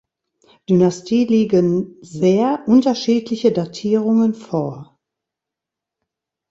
Dynastie liegen sehr unterschiedliche Datierungen vor.